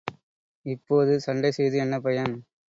இப்போது சண்டை செய்து என்ன பயன்?